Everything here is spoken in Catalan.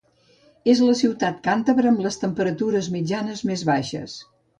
És la ciutat càntabra amb les temperatures mitjanes més baixes.